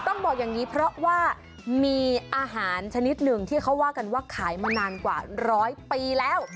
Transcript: ต้องบอกอย่างนี้เพราะว่ามีอาหารชนิดหนึ่งที่เขาว่ากันว่าขายมานานกว่าร้อยปีแล้ว